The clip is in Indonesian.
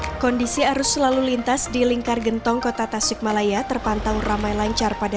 hai kondisi arus lalu lintas di lingkar gentong kota tasikmalaya terpantau ramai lancar pada